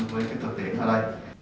với cái thực tiễn ở đây